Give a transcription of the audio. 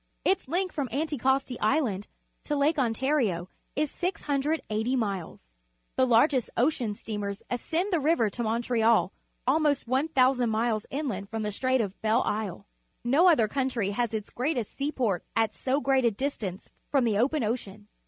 Its length from Anticosti Island to Lake Ontario is 680 miles. The largest ocean sten.mers ascend the river to Montreal, almost 1,000 miles, inland from th e Strait of Belle Isle No other countrv has its g reatest seaport at so great a distance from the open ocean.